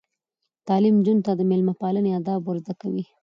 تعلیم نجونو ته د میلمه پالنې آداب ور زده کوي.